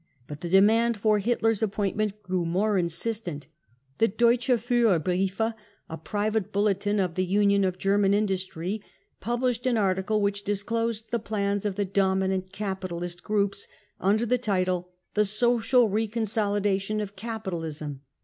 But the demand for Hitler's appointment grew more insistent. The Deutsche Fuhrerhrufe, a private bulletin of the Union of German In dustry, published an article which disclosed the® plans of the dominant capitalist groups, under the title <e The social re consolidation of capitalism."